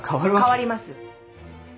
変わります。